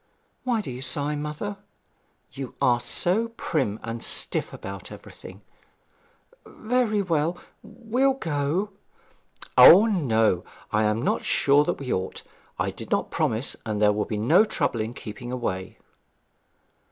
'Why do you sigh, mother?' 'You are so prim and stiff about everything.' 'Very well we'll go.' 'O no I am not sure that we ought. I did not promise, and there will be no trouble in keeping away.'